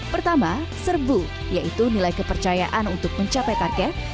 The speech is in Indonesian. pertama serbu yaitu nilai kepercayaan untuk mencapai target